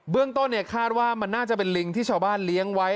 เรื่องต้นคาดว่ามันน่าจะเป็นลิงที่ชาวบ้านเลี้ยงไว้